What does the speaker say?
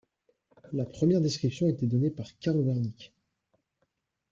La première description a été donnée par Carl Wernicke.